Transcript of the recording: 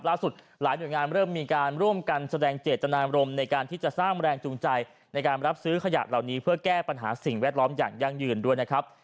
หลายหน่วยงานเริ่มมีการร่วมกันแสดงเจตนารมณ์ในการที่จะสร้างแรงจูงใจในการรับซื้อขยะเหล่านี้เพื่อแก้ปัญหาสิ่งแวดล้อมอย่างยั่งยืนด้วยนะครับ